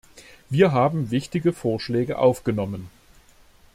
Wir haben wichtige Vorschläge aufgenommen.